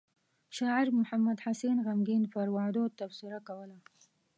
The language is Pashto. شاعر محمد حسين غمګين پر وعدو تبصره کوله.